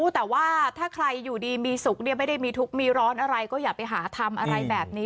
แต่ว่าถ้าใครอยู่ดีมีสุขไม่ได้มีทุกข์มีร้อนอะไรก็อย่าไปหาทำอะไรแบบนี้